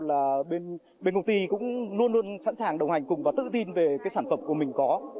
là bên công ty cũng luôn luôn sẵn sàng đồng hành cùng và tự tin về cái sản phẩm của mình có